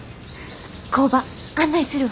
工場案内するわ。